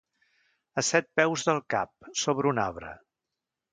A set peus del cap, sobre un arbre.